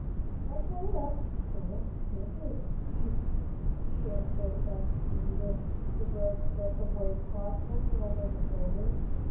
"If I tie it up, Joel, you can't use it," she had said, fastening the broad strip of white cloth firmly over his shoulder.